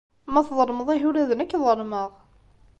Ma tḍelmeḍ ihi ula d nekk ḍelmeɣ.